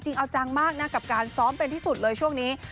เอาจังมากนะกับการซ้อมเป็นที่สุดเลยช่วงนี้